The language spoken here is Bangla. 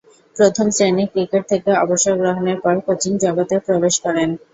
প্রথম-শ্রেণীর ক্রিকেট থেকে অবসর গ্রহণের পর কোচিং জগতে প্রবেশ করেন।